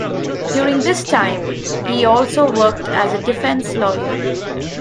During this time, he also worked as a defence lawyer.